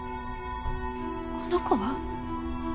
この子は？